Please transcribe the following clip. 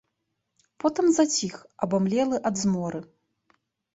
Потым заціх, абамлелы ад зморы.